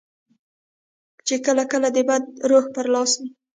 چې کله کله د بد روح پر لاس وي.